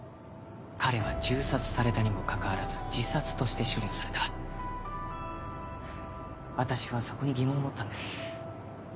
彼は銃殺されたにもかかわらず自殺として私はそこに疑問を持ったんです